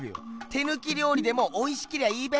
手ぬきりょう理でもおいしけりゃいいべ！